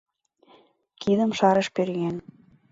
Кидым шарыш пӧръеҥ.